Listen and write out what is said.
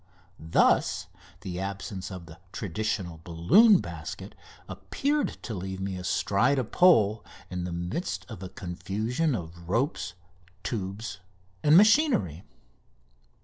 Thus the absence of the traditional balloon basket appeared to leave me astride a pole in the midst of a confusion of ropes, tubes, and machinery.